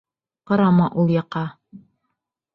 Ҡарама ул яҡҡа.